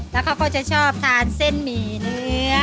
แล้วเขาก็จะชอบทานเส้นหมี่เนื้อ